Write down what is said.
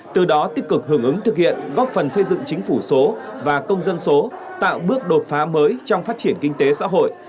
từ đó tích cực hưởng ứng thực hiện góp phần xây dựng chính phủ số và công dân số tạo bước đột phá mới trong phát triển kinh tế xã hội